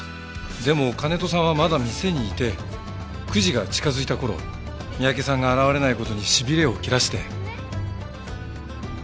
でも金戸さんはまだ店にいて９時が近づいた頃三宅さんが現れない事にしびれを切らして。